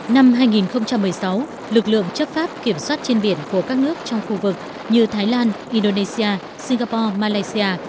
năm hai nghìn một mươi sáu lực lượng chấp pháp kiểm soát trên biển của các nước trong khu vực như thái lan indonesia singapore malaysia